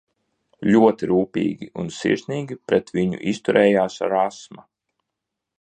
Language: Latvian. Ļoti rūpīgi un sirsnīgi pret viņu izturējās Rasma.